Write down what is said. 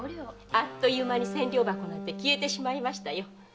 あっという間に千両箱なんて消えてしまいましたよ。